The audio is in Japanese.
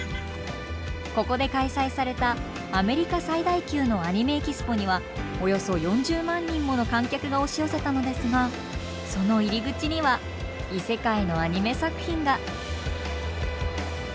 ここで開催されたアメリカ最大級のアニメ・エキスポにはおよそ４０万人もの観客が押し寄せたのですがその入り口には異世界のアニメ作品が。